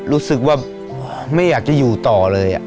รู้สึกว่าไม่อยากจะอยู่ต่อเลย